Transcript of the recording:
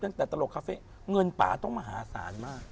ตั้งแต่ตลกคาเฟ่เงินป่าต้องมหาศาลมาก